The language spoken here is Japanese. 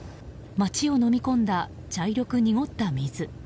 街をのみ込んだ茶色く濁った水。